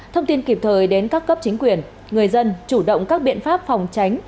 thông tin kịp thời đến các cấp chính quyền người dân chủ động các biện pháp phòng tránh